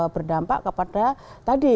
berdampak kepada tadi